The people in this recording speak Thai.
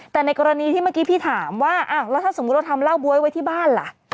แต่ในกรณีที่เมื่อกี้พี่ถามว่าอ้าวแล้วถ้าสมมุติเราทำเหล้าบ๊วยไว้ที่บ้านล่ะ